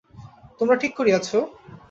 তোমরা ঠিক করিয়াছ?